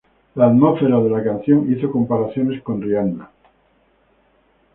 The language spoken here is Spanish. La atmósfera de la canción hizo comparaciones con Rihanna.